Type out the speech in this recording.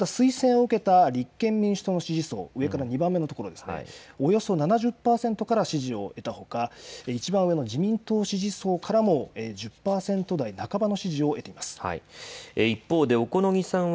また推薦を受けた立憲民主党の支持層を上から２番目、およそ７０％から支持を得たほかいちばん上、自民党支持層からも１０％半ば台の支持を得ています。